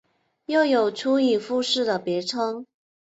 又有出羽富士的别称。